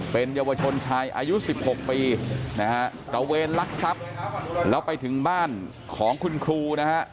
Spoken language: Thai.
เป็นเยาวชนชายอายุ๑๖ปีนะฮะตระเวนลักทรัพย์แล้วไปถึงบ้านของคุณครูนะฮะ